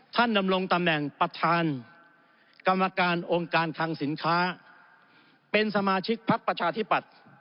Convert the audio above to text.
ดำรงตำแหน่งประธานกรรมการองค์การคังสินค้าเป็นสมาชิกพักประชาธิปัตย์